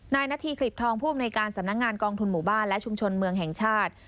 นาธีกลิบทองผู้อำนวยการสำนักงานกองทุนหมู่บ้านและชุมชนเมืองแห่งชาติ